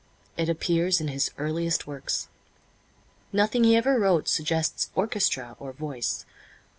It appears in his earliest works. Nothing he ever wrote suggests orchestra or voice.